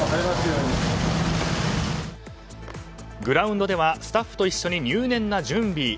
グラウンドではスタッフと一緒に入念な準備。